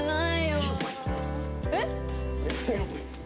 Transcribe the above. えっ？